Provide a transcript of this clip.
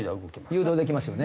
誘導できますよね。